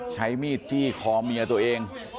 ใช้มีดจี้คอเมียตัวเอง